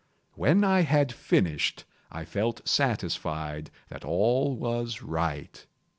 When I had finished, I felt satisfied that all was right.